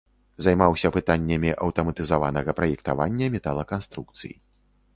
Займаўся пытаннямі аўтаматызаванага праектавання металаканструкцый.